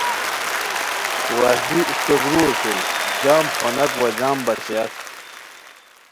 وشلی اشٹوک رو اوشوئے جم پھوناک وا جم باشییاک